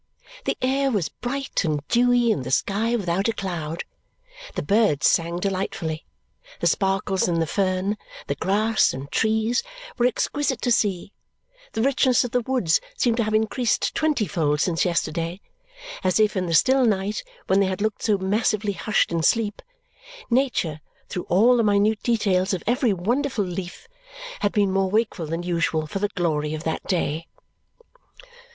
The air was bright and dewy and the sky without a cloud. The birds sang delightfully; the sparkles in the fern, the grass, and trees, were exquisite to see; the richness of the woods seemed to have increased twenty fold since yesterday, as if, in the still night when they had looked so massively hushed in sleep, Nature, through all the minute details of every wonderful leaf, had been more wakeful than usual for the glory of that day.